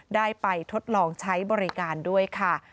ได้ไปทดลองใช้บริการด้วยค่ะ